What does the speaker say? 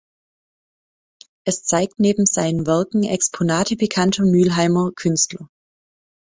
Es zeigt neben seinen Werken Exponate bekannter Mülheimer Künstler.